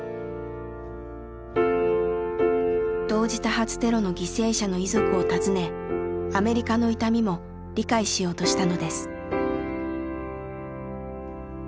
同時多発テロの犠牲者の遺族を訪ねアメリカの痛みも理解しようとしたのです。